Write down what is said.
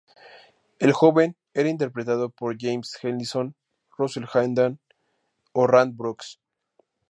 El joven era interpretado por James Ellison, Russell Hayden, o Rand Brooks.